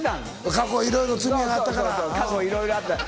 過去いろいろ罪があったから。